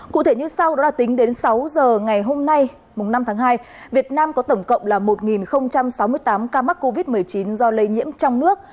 cụ thể như sau đã tính đến sáu giờ ngày hôm nay năm tháng hai việt nam có tổng cộng là một sáu mươi tám ca mắc covid một mươi chín do lây nhiễm trong nước